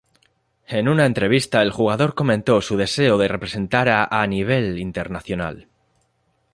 En una entrevista, el jugador comentó su deseo de representar a a nivel internacional.